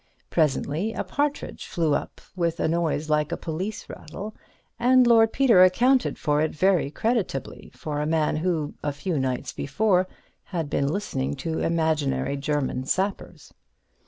Presently a partridge flew up with a noise like a police rattle, and Lord Peter accounted for it very creditably for a man who, a few nights before, had been listening to imaginary German sappers.